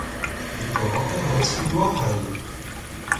Die barocke Holzfigur hl.